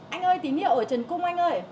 anh ơi tín hiệu ở trần cung anh ơi